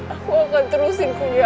aku akan terusin kuya